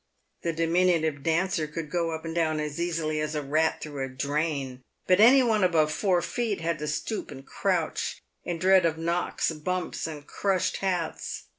The diminutive Dancer could go up and down as easily as a rat through a drain, but any one above four feet had to stoop and crouch, in dread of knocks, bumps, and crushed hats.